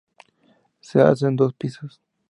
Se alza en dos pisos.